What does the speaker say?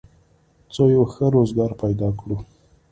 څو یو ښه روزګار پیدا کړو